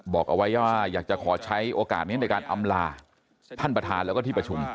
บอกเอาไว้ว่าอยากจะขอใช้โอกาสนี้ในการอำลาท่านประธานแล้วก็ที่ประชุม